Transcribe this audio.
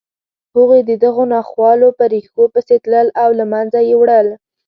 هغوی د دغو ناخوالو په ریښو پسې تلل او له منځه یې وړل